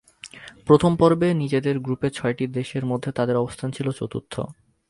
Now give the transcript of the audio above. প্রথম পর্বে নিজেদের গ্রুপে ছয়টি দেশের মধ্যে তাদের অবস্থান ছিল চতুর্থ।